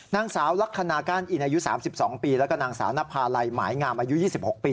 นางสาวลักษณะก้านอินอายุ๓๒ปีแล้วก็นางสาวนภาลัยหมายงามอายุ๒๖ปี